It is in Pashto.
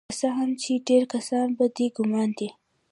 که څه هم چې ډیر کسان په دې ګمان دي